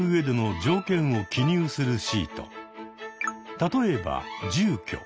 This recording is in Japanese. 例えば住居。